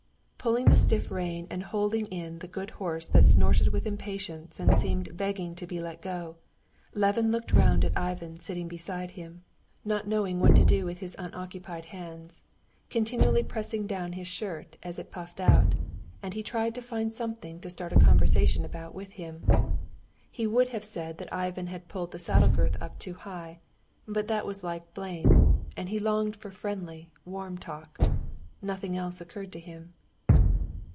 Pulling the stiff rein and holding in the good horse that snorted with impatience and seemed begging to be let go, Levin looked round at Ivan sitting beside him, not knowing what to do with his unoccupied hand, continually pressing down his shirt as it puffed out, and he tried to find something to start a conversation about with him. He would have said that Ivan had pulled the saddle girth up too high, but that was like blame, and he longed for friendly, warm talk. Nothing else occurred to him.